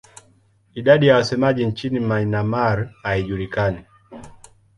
Idadi ya wasemaji nchini Myanmar haijulikani.